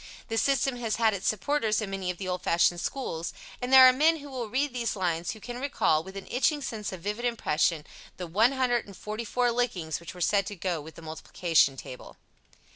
This system has had its supporters in many of the old fashioned schools, and there are men who will read these lines who can recall, with an itching sense of vivid impression, the 144 lickings which were said to go with the multiplication table.